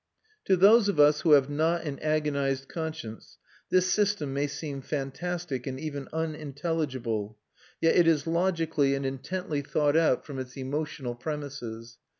To those of us who have not an agonised conscience this system may seem fantastic and even unintelligible; yet it is logically and intently thought out from its emotional premises.